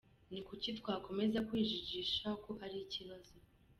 Ni kuki twakomeza kwijijisha ko ari ikibazo.